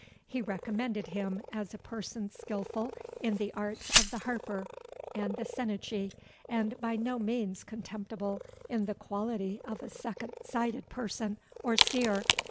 He recommended him as a person skilful in the arts of the harper and the senachie, and by no means contemptible in the quality of a second sighted person or seer.